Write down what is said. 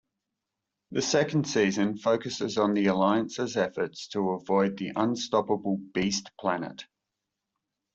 The second season focuses on the Alliance's efforts to avoid the unstoppable Beast Planet.